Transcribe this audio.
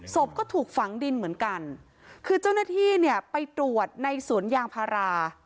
ศพก็ถูกฝังดินเหมือนกันคือเจ้าหน้าที่เนี่ยไปตรวจในสวนยางพารา